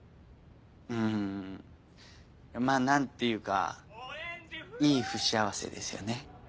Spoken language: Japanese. うんまぁ何ていうかいい不幸せですよね。